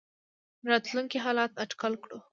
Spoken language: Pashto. راتلونکي حالات اټکل کړو.